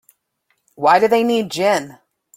Why do they need gin?